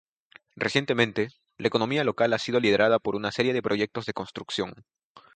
Recientemente, la economía local ha sido liderada por una serie de proyectos de construcción.